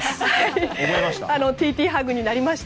ＴＴハグになりました。